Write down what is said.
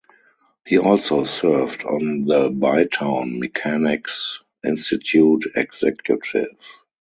He also served on the Bytown Mechanics' Institute executive.